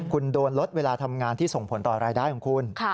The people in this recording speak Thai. คุณโดนลดเวลาทำงานที่ส่งผลต่อรายได้ของคุณ